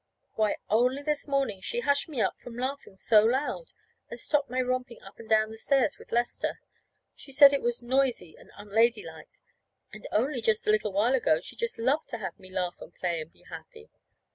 Why, only this morning she hushed me up from laughing so loud, and stopped my romping up and down the stairs with Lester. She said it was noisy and unladylike and only just a little while ago she just loved to have me laugh and play and be happy!